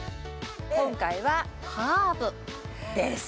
今回はハーブです。